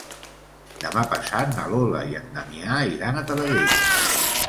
Demà passat na Lola i en Damià iran a Taradell.